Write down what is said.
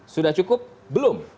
sudah cukup belum